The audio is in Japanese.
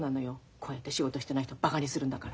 こうやって仕事してない人をバカにするんだから。